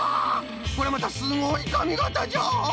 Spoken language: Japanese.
これまたすごいかみがたじゃ。